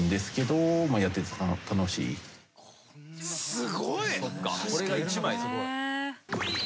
すごい！